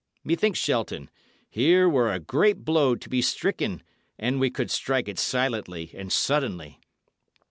Methinks, Shelton, here were a great blow to be stricken, an we could strike it silently and suddenly."